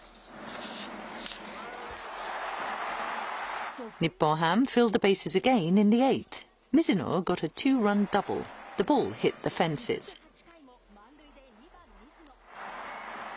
続く８回も満塁で２番水野。